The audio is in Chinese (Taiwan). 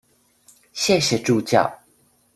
謝謝助教